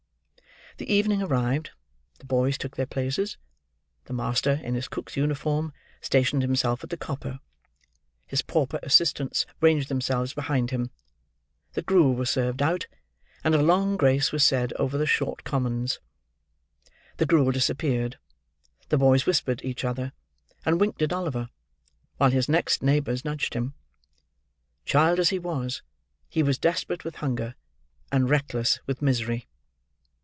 The evening arrived; the boys took their places. The master, in his cook's uniform, stationed himself at the copper; his pauper assistants ranged themselves behind him; the gruel was served out; and a long grace was said over the short commons. The gruel disappeared; the boys whispered each other, and winked at Oliver; while his next neighbors nudged him. Child as he was, he was desperate with hunger, and reckless with misery.